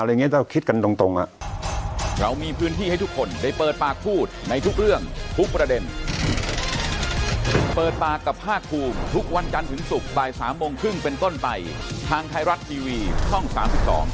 อะไรอย่างงี้ต้องคิดกันตรงอ่ะ